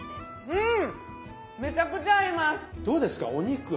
うん。